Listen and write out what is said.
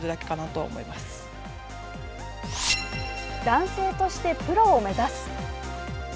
男性としてプロを目指す。